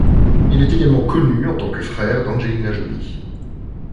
Il est également connu en tant que frère d'Angelina Jolie.